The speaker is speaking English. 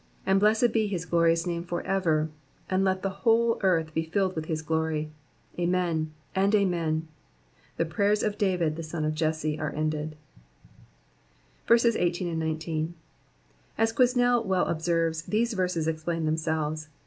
19 And blessed de his glorious name for ever : and let the whole earth be filled zt't//i his glory : Amen, and Amen. 20 The prayers of David the son of Jesse are ended. 18. 19. As Quesnel well observes, these verses explain themselves.